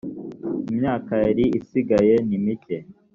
imyaka yari isigaye nimike.